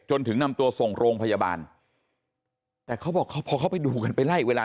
ถึงนำตัวส่งโรงพยาบาลแต่เขาบอกเขาพอเขาไปดูกันไปไล่เวลา